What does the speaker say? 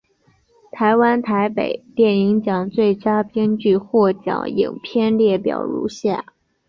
台湾台北电影奖最佳编剧获奖影片列表如下。